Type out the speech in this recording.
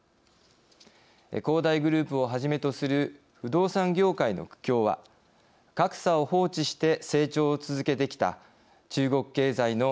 恒大グループをはじめとする不動産業界の苦境は格差を放置して成長を続けてきた中国経済の行き詰まりを鮮明に示しているようです。